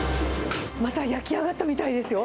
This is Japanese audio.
また焼き上がったみたいですよ。